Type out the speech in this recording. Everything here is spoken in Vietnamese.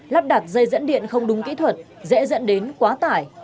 lắp đặt dây dẫn điện không đúng kỹ thuật dễ dẫn đến quá tải